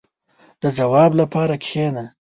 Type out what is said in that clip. • د ځواب لپاره کښېنه.